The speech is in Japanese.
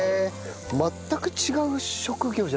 全く違う職業じゃないですか。